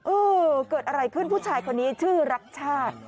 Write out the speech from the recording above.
เออเกิดอะไรขึ้นผู้ชายคนนี้ชื่อรักชาติ